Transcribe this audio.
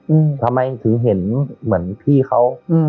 อืมทำไมถึงเห็นเหมือนพี่เขาอืม